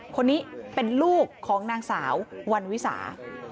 คนนี้เป็นลูกของนางสาววันวิสา